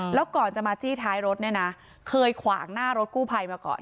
แล้วก่อนจะมาจี้ท้ายรถเนี่ยนะเคยขวางหน้ารถกู้ภัยมาก่อน